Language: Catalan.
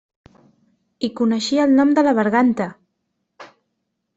I coneixia el nom de la berganta!